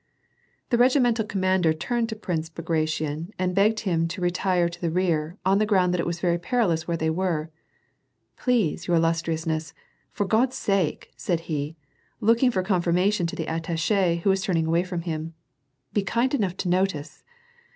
The regimental commander turned to Prince Bagration, and begged him to retire to the rear, on the ground that it was very perilous where they were, " Please, your illustriousness, for God's sake," said he, looking for confirmation to the atr tache, who was turning away from him. " Be kind enough to notice."